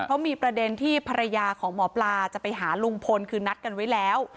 เพราะมีประเด็นที่ภรรยาของหมอปลาจะไปหาลุงพลคือนัดกันไว้แล้ว